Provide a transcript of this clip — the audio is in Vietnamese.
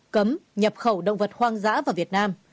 cấm nhập khẩu động vật hoang dã vào việt nam